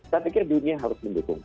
dan pikir dunia harus mendukung